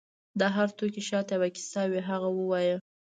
د هر توکي شاته یو کیسه وي، هغه ووایه.